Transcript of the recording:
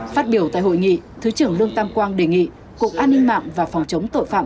phát biểu tại hội nghị thứ trưởng lương tam quang đề nghị cục an ninh mạng và phòng chống tội phạm